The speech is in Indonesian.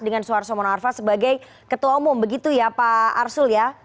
dengan suharto mono arfa sebagai ketua umum begitu ya pak arsul ya